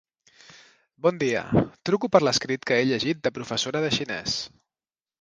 Bon dia, truco per l'escrit que he llegit de professora de xinès.